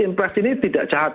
impresi ini tidak jahat